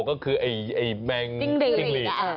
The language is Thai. ก็คือแมงจริงหลี